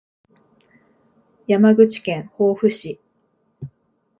山口県防府市